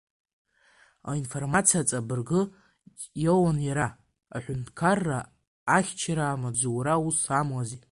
Аинформациа ҵабыргы иоуан иара, Аҳәынҭқарра Ахь-чара Амаҵзура аус амуази.